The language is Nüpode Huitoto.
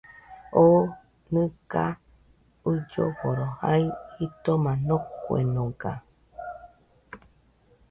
Oo nɨga uilloforo jai jitoma noguenoga